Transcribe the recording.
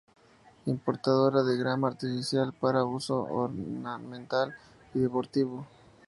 Importadora de grama artificial para uso ornamental y deportivo.